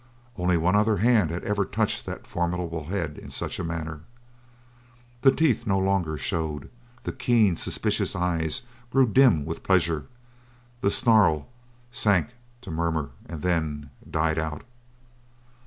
Only one other hand had ever touched that formidable head in such a manner! The teeth no longer showed; the keen, suspicious eyes grew dim with pleasure; the snarl sank to murmur and then died out.